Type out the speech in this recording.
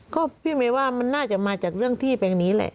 ก็พี่เมย์ว่ามันน่าจะมาจากเรื่องที่แปลงนี้แหละ